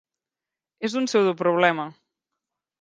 És un pseudoproblema.